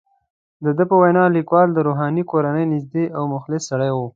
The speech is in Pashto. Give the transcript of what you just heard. د ده په وینا، لیکوال د روښاني کورنۍ نږدې او مخلص سړی وو.